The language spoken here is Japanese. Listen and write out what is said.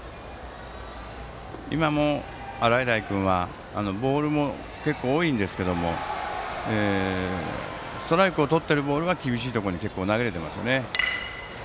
今も、洗平君はボールも結構多いんですがストライクをとっているボールは厳しいところに結構投げられていますね。